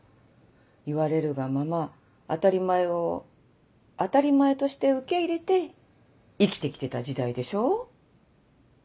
言われるがまま当たり前を当たり前として受け入れて生きてきた時代でしょ。